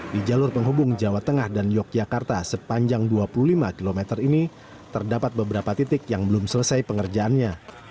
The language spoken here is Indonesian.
di jalur penghubung jawa tengah dan yogyakarta sepanjang dua puluh lima km ini terdapat beberapa titik yang belum selesai pengerjaannya